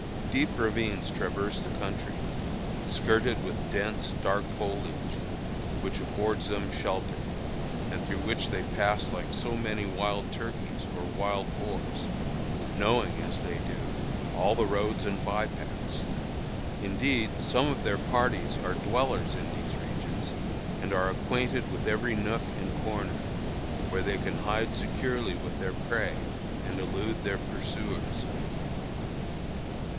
Deep ravines traverse the country, skirted with dense, dark foliage, which affords them shelter, and through which they pass like so many wild turkeys or wild boars, knowing, as they do, all the roads and by paths. Indeed, some of their parties are dwellers in these regions, and are acquainted with every nook and corner, where they can hide securely with their prey and elude their pursuers.